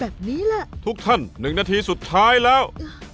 แบบนี้แหละทุกท่านหนึ่งนาทีสุดท้ายแล้ว